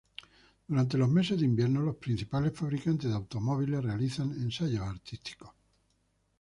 Durante los meses de invierno, los principales fabricantes de automóviles realizan ensayos árticos.